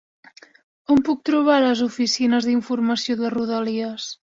On puc trobar les oficines d'informació de Rodalies?